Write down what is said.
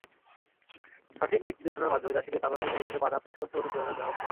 সঠিক দিকনির্দেশনার মাধ্যমে চাষিদের তামাকের পরিবর্তে বাদাম চাষ করতে অনুপ্রেরণা দেওয়া হচ্ছে।